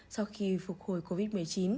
sau khi phục hồi covid một mươi chín